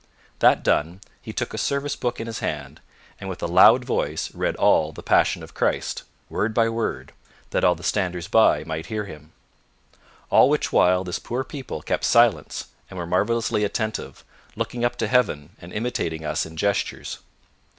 That done, he took a service book in his hand, and with a loud voice read all the passion of Christ, word by word, that all the standers by might hear him; all which while this poor people kept silence and were marvellously attentive, looking up to heaven and imitating us in gestures.